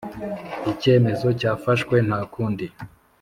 icyemezo cyafashwe ntakundi